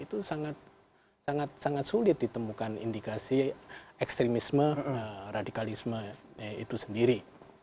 itu sangat sangat sulit ditemukan indikasi ekstremisme radikalisme itu sendiri